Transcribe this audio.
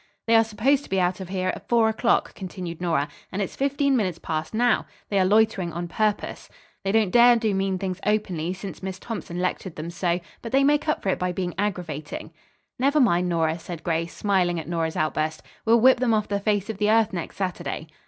"They are supposed to be out of here at four o'clock," continued Nora, "and it's fifteen minutes past four now. They are loitering on purpose They don't dare to do mean things openly since Miss Thompson lectured them so, but they make up for it by being aggravating." "Never mind, Nora," said Grace, smiling at Nora's outburst. "We'll whip them off the face of the earth next Saturday."